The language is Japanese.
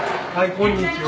こんにちは。